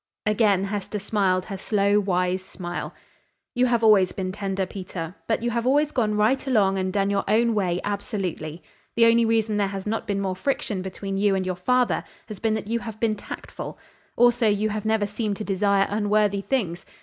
Again Hester smiled her slow, wise smile. "You have always been tender, Peter, but you have always gone right along and done your own way, absolutely. The only reason there has not been more friction between you and your father has been that you have been tactful; also you have never seemed to desire unworthy things.